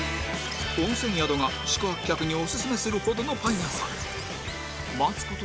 温泉宿が宿泊客にオススメするほどのパン屋さん